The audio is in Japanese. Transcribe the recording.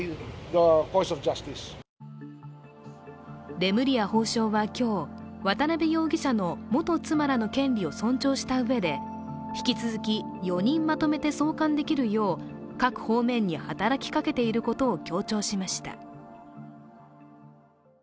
レムリヤ法相は今日、渡辺容疑者の元妻らの権利を尊重したうえで、引き続き４人まとめて送還できるよう各方面に働きかけていることを強調しました。